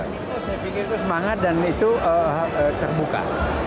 saya pikir itu semangat dan itu terbuka